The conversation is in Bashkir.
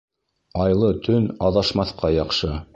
Айлы төн аҙашмаҫҡа яҡшы.